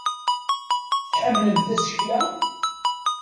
Tḥemmlemt tasekla?